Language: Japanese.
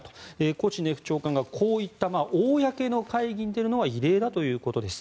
コチネフ長官がこういった公の会議に出るのは異例だということです。